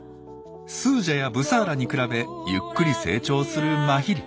スージャやブサーラに比べゆっくり成長するマヒリ。